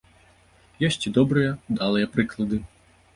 Ёсць і добрыя, удалыя прыклады.